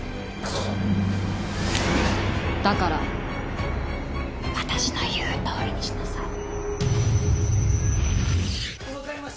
だから私の言うとおりにしなさい。